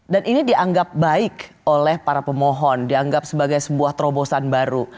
dan ini dianggap baik oleh para pemohon dianggap sebagai sebuah terobosan baru